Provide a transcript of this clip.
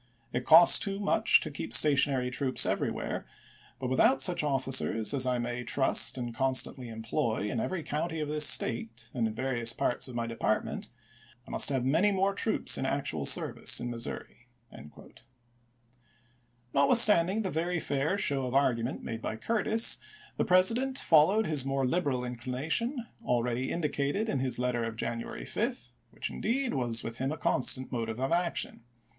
It costs too much to keep stationary troops everywhere, but without such officers as I may trust and constantly employ in every county of this State and in various parts of my de partment, I must have many more troops in actual service in Missouri. Curtis to Stanton, Jan. 15, 1863. W. R. Vol. XXII., Part II., pp. a, 45. Stanton, Order, Jan. 20, 1863. W. R. Vol. XXII., Part II., p. 64. Notwithstanding the very fair show of argument made by Curtis, the President followed his more liberal inclination already indicated in Ms letter of January 5, which, indeed, was with him a constant motive of action.